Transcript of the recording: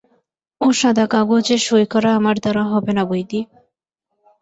-ও সাদা কাগজে সই করা আমার দ্বারা হবে না, বৌদি!